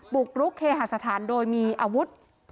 บุกรุกเคหาสถานโดยมีอาวุธ